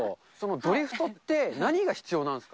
ドリフトって何が必要なんですか？